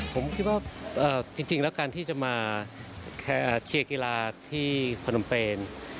ผมคิดว่าจริงแล้วการที่จะมาเชียร์กีฬาที่พนมเปน